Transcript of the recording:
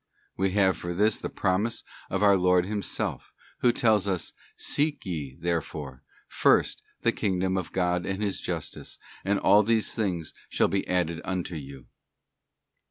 We have for this the promise of our Lord Himself, Who tells us, 'Seek ye, therefore, first the kingdom of God and His Justice, and all these things shall be added unto you.